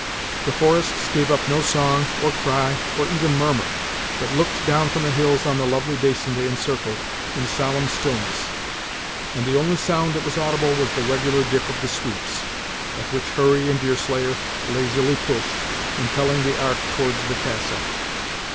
The forests gave up no song, or cry, or even murmur, but looked down from the hills on the lovely basin they encircled, in solemn stillness; and the only sound that was audible was the regular dip of the sweeps, at which Hurry and Deerslayer lazily pushed, impelling the ark towards the castle.